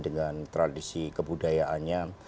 dengan tradisi kebudayaannya